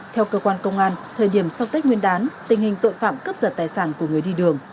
theo cơ quan công an thời điểm sau tết nguyên đán tình hình tội phạm cướp giật tài sản của người đi đường